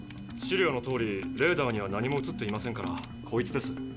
資料のとおりレーダーには何も映っていませんからこいつです。